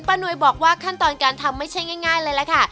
นวยบอกว่าขั้นตอนการทำไม่ใช่ง่ายเลยล่ะค่ะ